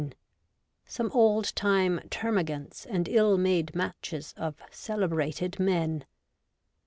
— Some Old time Termagants and Ill made Matches of Celebrated Men.